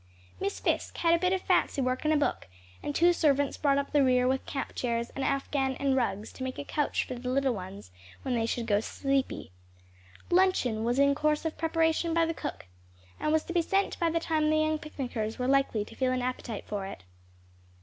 Miss Fisk had a bit of fancy work and a book, and two servants brought up the rear with camp chairs, an afghan and rugs to make a couch for the little ones when they should grow sleepy. Luncheon was in course of preparation by the cook, and was to be sent by the time the young picnickers were likely to feel an appetite for it.